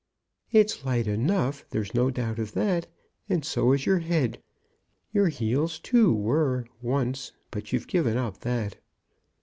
"It's light enough; there's no doubt of that, and so is your head. Your heels too were, once, but you've given up that."